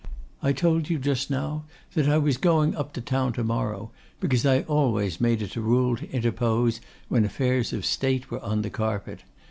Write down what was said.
'I told you just now that I was going up to town tomorrow, because I always made it a rule to interpose when affairs of State were on the carpet.